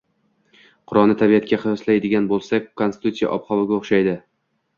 Qurʼonni tabiatga qiyoslaydigan boʻlsak, Konstitutsiya ob-havoga oʻxshaydi